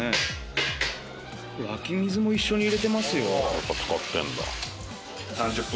やっぱ使ってるんだ。